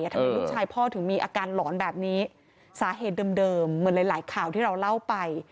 ทำไมลูกชายพ่อถึงมีอาการหลอนแบบนี้สาเหตุเดิมเหมือนหลายหลายข่าวที่เราเล่าไป